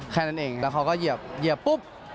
แค่นั้นเองแล้วเขาก็เหยียบปุ๊บ